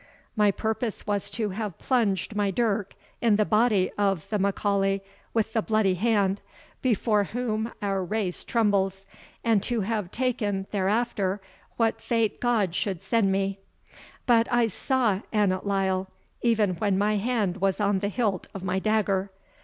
My purpose was to have plunged my dirk in the body of the M'Aulay with the Bloody hand, before whom our race trembles, and to have taken thereafter what fate God should send me. But I saw Annot Lyle, even when my hand was on the hilt of my dagger.